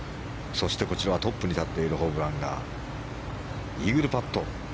こちら、トップに立っているホブランがイーグルパット。